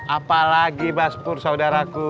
apalagi mas pur saudaraku